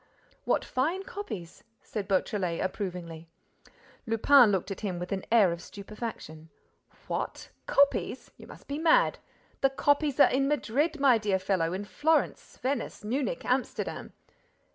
"What fine copies!" said Beautrelet, approvingly. Lupin looked at him with an air of stupefaction: "What! Copies! You must be mad! The copies are in Madrid, my dear fellow, in Florence, Venice, Munich, Amsterdam."